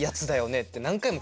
って。